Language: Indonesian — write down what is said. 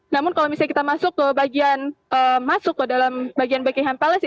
namun kalau misalnya kita masuk ke bagian masuk ke dalam bagian backingham policy